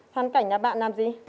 thân cảnh là bạn làm gì